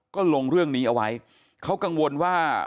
ก็ลงเรื่องนี้เอาไว้เขากังวลว่า